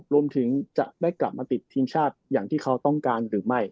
รวมถึงจะได้กลับมาติดทีมชาติอย่างที่เขาต้องการหรือไม่